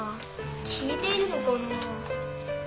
聞いてるのかな？